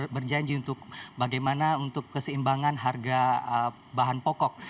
berjanji untuk bagaimana untuk keseimbangan harga bahan pokok